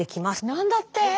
何だって⁉